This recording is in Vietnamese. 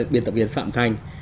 biên tập viên phạm thanh